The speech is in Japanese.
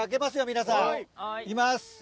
皆さん行きます。